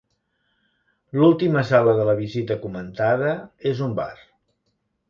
L'última sala de la visita comentada és un bar.